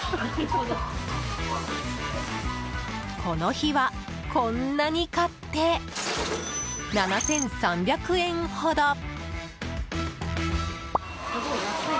この日は、こんなに買って７３００円ほど。